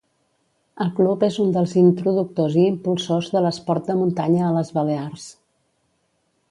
El club és un dels introductors i impulsors de l'esport de muntanya a les Balears.